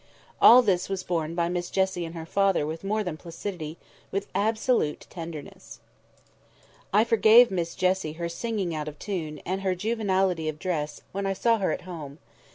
All this was borne by Miss Jessie and her father with more than placidity—with absolute tenderness. I forgave Miss Jessie her singing out of tune, and her juvenility of dress, when I saw her at home.